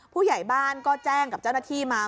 ผู้ใหญ่บ้านก็แจ้งกับเจ้าหน้าที่มา